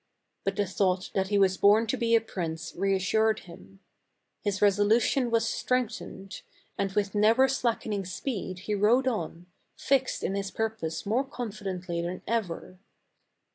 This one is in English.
But the thought that he was born to be a prince reassured him. His resolution was strengthened ; and with never slackening speed he rode on, fixed in his purpose more confidently than ever.